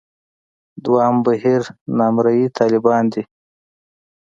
دویم بهیر نامرئي طالبان دي.